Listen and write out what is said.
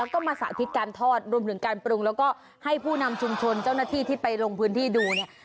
ก็มาสาธิตการทอดรวมถึงการปรุงแล้วก็ให้ผู้นำชุมชนเจ้าหน้าที่ที่ไปลงพื้นที่ดูเนี่ย